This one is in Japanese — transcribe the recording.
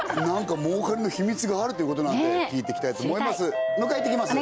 儲かりのヒミツがあるということなんで聞いてきたいと思います